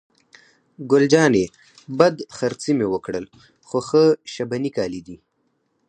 ګل جانې: بد خرڅي مې وکړل، خو ښه شبني کالي دي.